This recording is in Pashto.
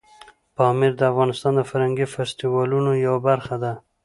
پامیر د افغانستان د فرهنګي فستیوالونو یوه برخه ده.